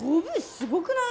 すごくない？